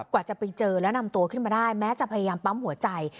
กว่าจะไปเจอแล้วนำตัวขึ้นมาได้แม้จะพยายามปั๊มหัวใจ